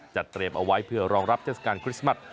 เตรียมเอาไว้เพื่อรองรับเทศกาลคริสต์มัส